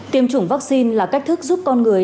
tiêm chủng vaccine là cách thức giúp con người